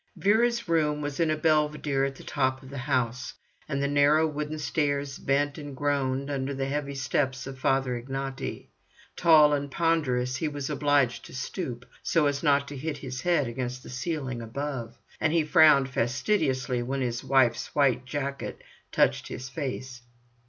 Vera's room was in a belvedere at the top of the house, and the narrow wooden stairs bent and groaned under the heavy steps of Father Ignaty. Tall and ponderous, he was obliged to stoop so as not to hit his head against the ceiling above, and he frowned fastidiously when his wife's white jacket touched his face.